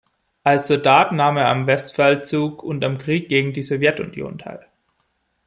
Als Soldat nahm er am Westfeldzug und am Krieg gegen die Sowjetunion teil.